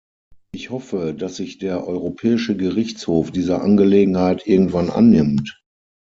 Ich hoffe, dass sich der Europäische Gerichtshof dieser Angelegenheit irgendwann annimmt.